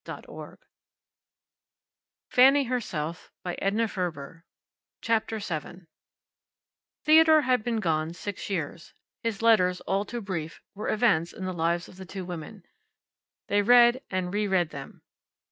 "You've been seeing too much of Fanny Brandeis." CHAPTER SEVEN Theodore had been gone six years. His letters, all too brief, were events in the lives of the two women. They read and reread them.